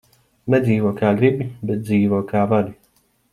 Nedzīvo, kā gribi, bet dzīvo, kā vari.